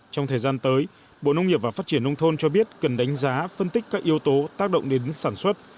trong thời gian tới bộ nông nghiệp và phát triển nông thôn cho biết cần đánh giá phân tích các yếu tố tác động đến sản xuất